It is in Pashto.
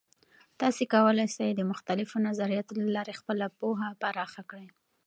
تاسې کولای سئ د مختلفو نظریاتو له لارې خپله پوهه پراخه کړئ.